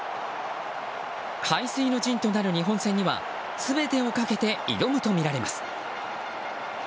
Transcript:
背水の陣となる日本戦には全てをかけて挑むとみられます。